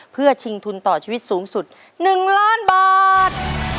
เพื่อชิงทุนต่อชีวิตสูงสุด๑ล้านบาท